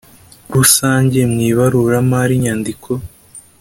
rusange mu ibaruraramari inyandiko